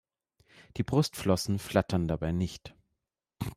Die Brustflossen flattern dabei nicht.